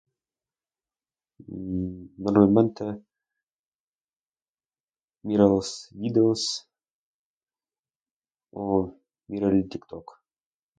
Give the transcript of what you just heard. Mmm, normalmente miro los nidos... o miro el TikTok.